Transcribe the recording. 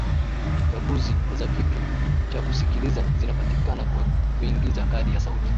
chaguzi za kitu cha kusikiliza zinapatikana kwa kuingiza kadi ya sauti